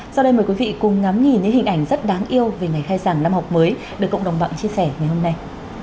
sau đây mời quý vị cùng ngắm nhìn những hình ảnh rất đáng yêu về ngày khai giảng năm học mới được cộng đồng bạn chia sẻ ngày hôm nay